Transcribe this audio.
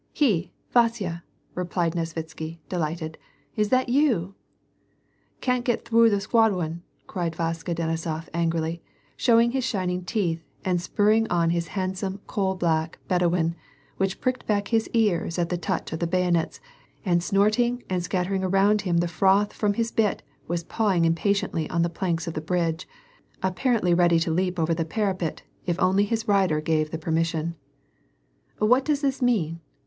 " He ! Vasya," replied Nesvitsky, delighted, " Is that you ?"" Can't get thwough the sq wad' won," cried Vaska Denisof angrily, showing his shining teeth and spurring on his hand some coal black Bedouin, which pricked back his ears at the touch of the bayonets, and snorting and scattering around him the froth from his bit was pawing impatiently the planks of the bridge, apparently ready to leap over the parapet, if only his rider gave the permission. " What does this mean